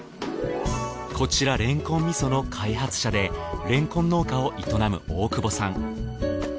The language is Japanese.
こちられんこん味噌の開発者でれんこん農家を営む大久保さん。